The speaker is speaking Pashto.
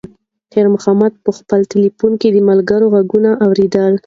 خیر محمد په خپل تلیفون کې د ملګرو غږونه اورېدل.